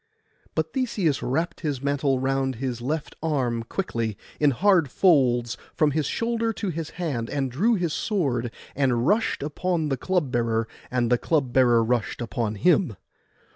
But Theseus wrapt his mantle round his left arm quickly, in hard folds, from his shoulder to his hand, and drew his sword, and rushed upon the club bearer, and the club bearer rushed on him.